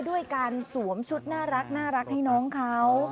ด้วยการสวมชุดน่ารักให้น้องเขา